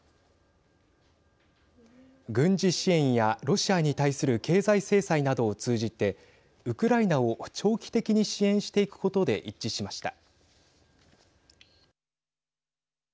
軍事支援やロシアに対する経済制裁などを通じてウクライナを長期的に支援していくことで一致しました。